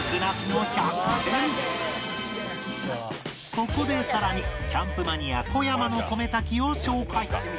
ここでさらにキャンプマニア小山の米炊きを紹介